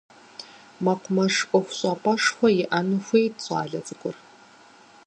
Мэкъумэш ӏуэхущӏапӏэшхуэ иӏэну хуейт щӏалэ цӏыкӏур.